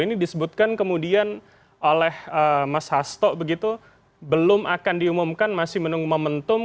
ini disebutkan kemudian oleh mas hasto begitu belum akan diumumkan masih menunggu momentum